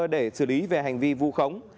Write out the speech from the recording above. để xử lý về hành vi vô khống